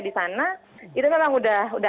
di sana itu memang udah